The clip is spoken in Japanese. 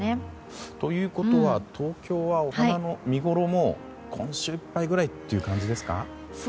ということは東京はお花の見ごろは今週いっぱいくらいという感じですか？